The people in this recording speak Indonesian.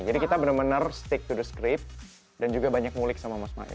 jadi kita benar benar stick to the script dan juga banyak mulik sama mas mail gitu